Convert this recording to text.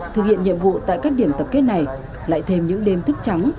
thực hiện nhiệm vụ tại các điểm tập kết này lại thêm những đêm thức trắng